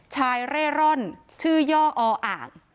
ชายเร่ร่อนชื่อย่ออ่าง